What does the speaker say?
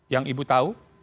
yang ibu tahu